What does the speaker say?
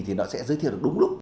thì nó sẽ giới thiệu được đúng lúc